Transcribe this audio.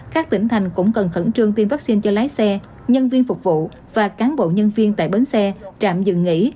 các tỉnh thành cũng cần khẩn trương tiêm vaccine cho lái xe nhân viên phục vụ và cán bộ nhân viên tại bến xe trạm dừng nghỉ